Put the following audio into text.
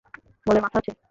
বলের মাথা আছে!